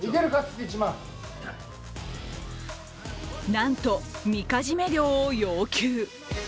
なんと、みかじめ料を要求。